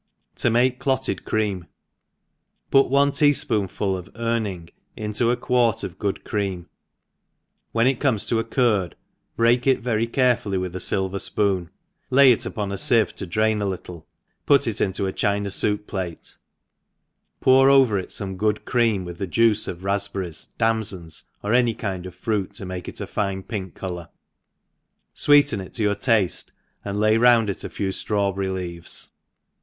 To make Clotted Cream. PUT one tea*.fpoon of earning into a quart of good cream, when it comes to a curd break it very carefully with a filver fpoon, lay it upoa a fieve to drain a little, put it into a china foup plate, pour over it fome good cream, with thi juice of rafpberries, damfons, or any kind of fruit to make it a fine pink colour, fweeten it to your tafte, and lay round it a few ftrawberry Icayes.